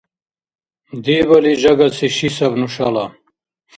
Дебали жагаси ши саби нушала.